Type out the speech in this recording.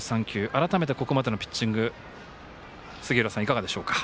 改めて、ここまでのピッチング杉浦さん、いかがでしょうか。